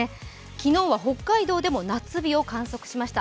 昨日は北海道でも夏日を観測しました。